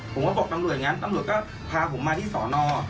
ผมก็บอกตำรวจอย่างนั้นตำรวจก็พาผมมาที่สอนอ